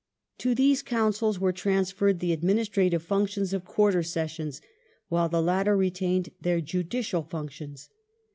To these Councils were transfen ed the adminis trative functions of Quarter Sessions, while the latter retained their judicial functions.